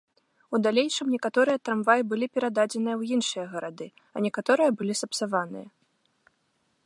У далейшым некаторыя трамваі былі перададзеныя ў іншыя гарады, а некаторыя былі сапсаваныя.